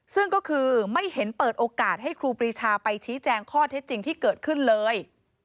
ซึ่งก็คือไม่เห็นเปิดโอกาสให้ครูปรีชาไปชี้แจงข้อเท็จจริงที่เกิดขึ้นเลย